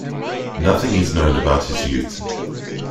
Nothing is known about his youth.